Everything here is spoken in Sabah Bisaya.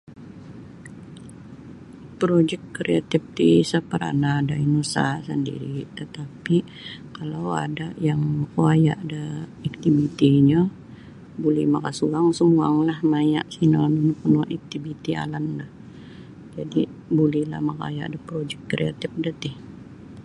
Projik kreatif ti isa' paranah da inusaha' sandiri' tatapi' kalau ada' yang makawaya' da iktivitinyo buli makasuang sumuanglah maya' sino nunu panua' iktiviti alan do jadi' bulilah makaaya' da projik kreatif do ti.